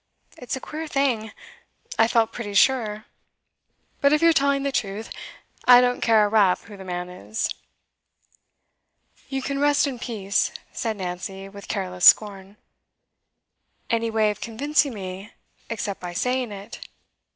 It's a queer thing; I felt pretty sure. But if you're telling the truth, I don't care a rap who the man is.' 'You can rest in peace,' said Nancy, with careless scorn. 'Any way of convincing me, except by saying it?